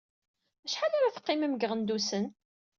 Acḥal ara teqqimem deg Iɣendusen?